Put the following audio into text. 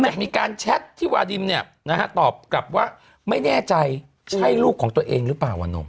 มีการแชทที่วาดิมเนี่ยนะฮะตอบกลับว่าไม่แน่ใจใช่ลูกของตัวเองหรือเปล่าวะหนุ่ม